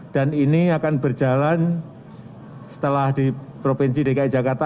dan ini akan berjalan setelah di provinsi dki jakarta